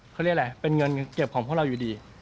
เขาเรียกอะไรเป็นเงินเก็บของพวกเราอยู่ดี